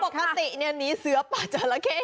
คุณปกตินี่หนีเสื้อปลาเจอระเข้